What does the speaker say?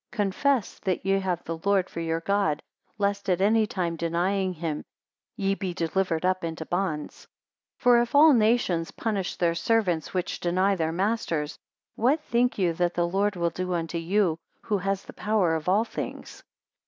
Confess that ye have the Lord for your God, lest at any time denying him, ye be delivered up into bonds. 242 For if all nations punish their servants which deny their masters; what think you that the Lord will do unto you, who has the power of all things?